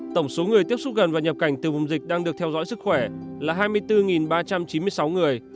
tổng số người tiếp xúc gần và nhập cảnh từ vùng dịch đang được theo dõi sức khỏe là hai mươi bốn ba trăm chín mươi sáu người